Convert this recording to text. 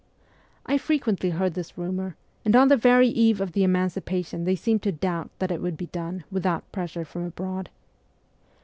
I frequently heard this rumour ; and on the very eve of the emancipation they seemed to doubt that it would be done without pressure from abroad.